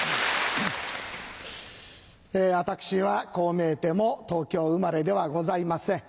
私はこう見えても東京生まれではございません。